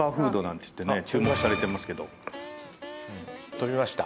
飛びました。